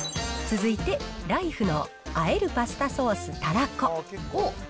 続いて、ライフのあえるパスタソースたらこ。